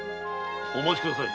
お待ちください。